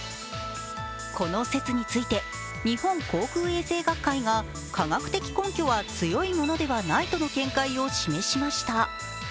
この説について日本口腔衛生学会は科学的根拠は強いものではないとの見解を示しまた。